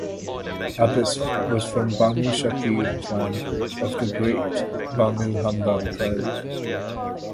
Abis was from Banu Shakir clan of the great Banu Hamdan tribe.